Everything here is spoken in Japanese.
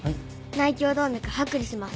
内胸動脈剥離します。